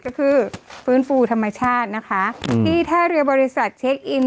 ก็คือฟื้นฟูธรรมชาตินะคะที่ท่าเรือบริษัทเช็คอิน